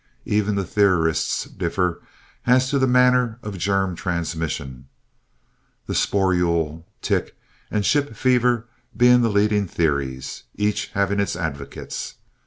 Even the theorists differed as to the manner of germ transmission, the sporule, tick, and ship fever being the leading theories, and each having its advocates.